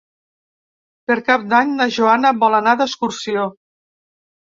Per Cap d'Any na Joana vol anar d'excursió.